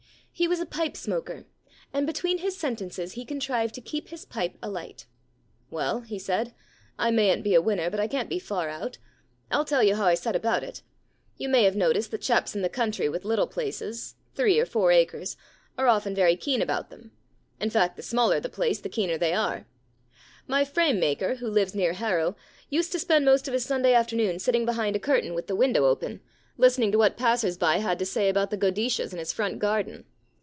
He was a pipe smoker, and between his sentences he contrived to keep his pipe alight. * Well,* he said, * I mayn't be a winner, but I can't be far out. Til tell you how I set about it. You may have noticed that chaps in the country with little places — three or four acres — are often very keen about them. In fact, the smaller the place the keener they are. My frame maker, who lives near Harrow, used to spend most of his Sunday afternoon sitting behind a curtain with the window open, listening to what passers by had to say about the godetias in his front garden.